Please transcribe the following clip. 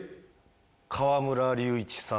河村隆一さん。